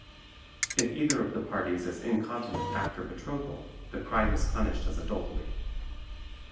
If either of the parties is incontinent after betrothal, the crime is punished as adultery.